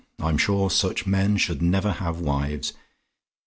I'm sure such men should never have wives.